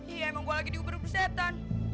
iya emang gue lagi diubur ubur setan